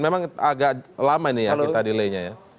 memang agak lama ini ya kita delay nya ya